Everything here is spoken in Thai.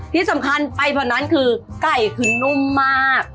ที่สำคัญไปกว่านั้นคือไก่คือนุ่มมาก